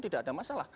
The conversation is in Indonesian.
tidak ada masalah